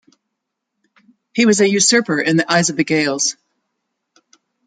He was a usurper in the eyes of the Gaels.